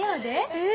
え。